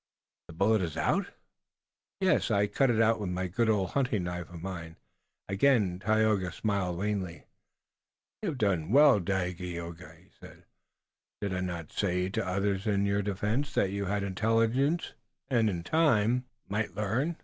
"The bullet is out?" "Yes, I cut it out with this good old hunting knife of mine." Again Tayoga smiled wanly. "You have done well, Dagaeoga," he said. "Did I not say to others in your defense that you had intelligence and, in time, might learn?